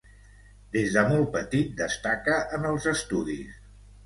Des de molt petit destaca en els estudis.